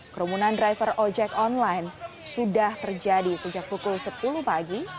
kerumunan driver ojek online sudah terjadi sejak pukul sepuluh pagi